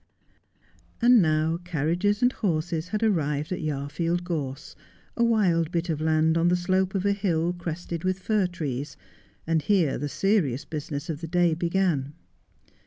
And now carriages and horses had arrived at Yarfield Gorse, a wild bit of land on the slope of a hill crested with fir trees, and here the serious business of the day began.